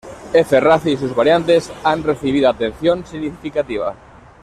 F-Race y sus variantes han recibido atención significativa.